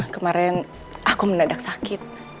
kemaren aku menadak sakit